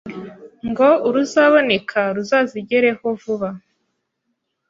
ngo uruzaboneka ruzazigereho vuba,